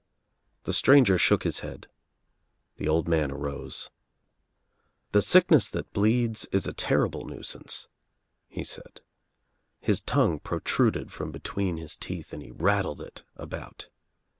The stranger shook his head. The old man arose. "The sickness that bleeds is a terrible nuisance," he said. His tongue protruded from between his teeth and he rattled it about.